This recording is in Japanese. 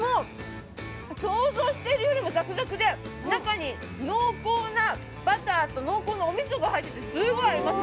想像しているよりもザクザクで中に濃厚なバターと濃厚なおみそが入っててすごい合います。